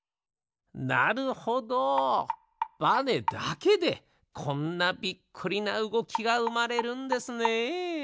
なるほどバネだけでこんなびっくりなうごきがうまれるんですね。